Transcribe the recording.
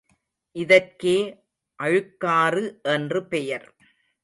இதற்கே அழுக்காறு என்று பெயர்.